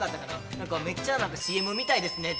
なんかめっちゃ、ＣＭみたいですねって。